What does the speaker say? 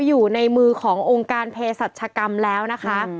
อยู่ในมือขององค์การเพศรัชกรรมแล้วนะคะ